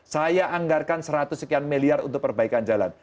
saya anggarkan seratus sekian miliar untuk perbaikan jalan